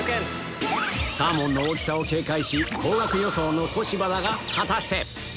サーモンの大きさを警戒し高額予想の小芝だが果たして？